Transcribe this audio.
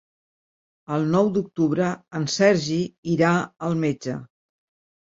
El nou d'octubre en Sergi irà al metge.